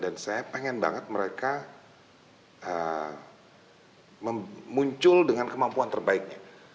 dan saya sangat ingin mereka muncul dengan kemampuan terbaiknya